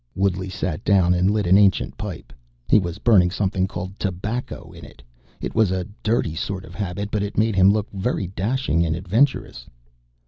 Woodley sat down and lit an ancient pipe. He was burning something called tobacco in it. It was a dirty sort of habit, but it made him look very dashing and adventurous.